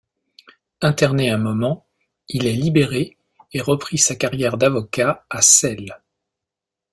Interné un moment, il est libéré et reprit sa carrière d’avocat à Celle.